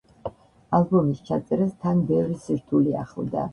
ალბომის ჩაწერას თან ბევრი სირთულე ახლდა.